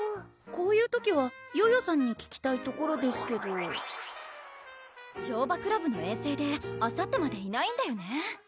こういう時はヨヨさんに聞きたいところですけど乗馬クラブの遠征であさってまでいないんだよねぇ